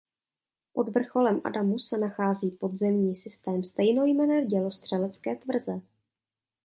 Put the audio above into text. Pod vrcholem Adamu se nachází podzemní systém stejnojmenné dělostřelecké tvrze.